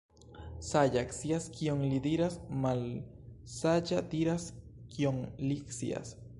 Saĝa scias, kion li diras — malsaĝa diras, kion li scias.